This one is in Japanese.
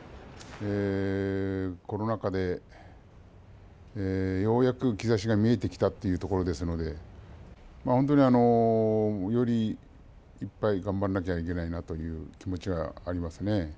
コロナ禍でようやく兆しが見えてきたというところですので本当に、より、いっぱい頑張らなきゃいけないなという気持ちがありますね。